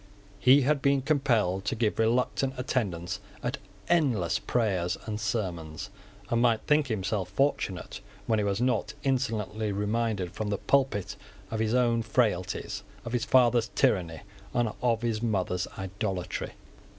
He had been compelled to give reluctant attendance at endless prayers and sermons, and might think himself fortunate when he was not insolently reminded from the pulpit of his own frailties, of his father's tyranny, and of his mother's idolatry.